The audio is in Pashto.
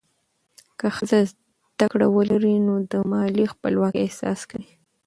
که ښځه زده کړه ولري، نو د مالي خپلواکۍ احساس کوي.